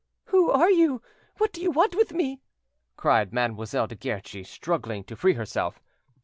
"Who are you? What do you want with me?" cried Mademoiselle de Guerchi, struggling to free herself.